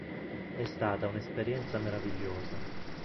È stata un'esperienza meravigliosa.